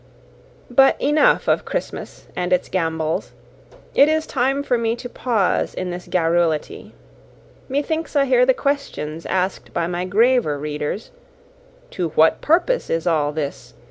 But enough of Christmas and its gambols; it is time for me to pause in this garrulity. Methinks I hear the questions asked by my graver readers, "To what purpose is all this?